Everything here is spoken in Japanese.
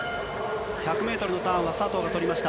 １００メートルのターンは佐藤が取りました。